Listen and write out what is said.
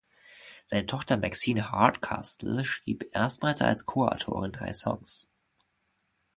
Seine Tochter Maxine Hardcastle schrieb erstmals als Co-Autorin drei Songs.